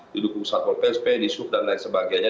di dukung usat world psb di sup dan lain sebagainya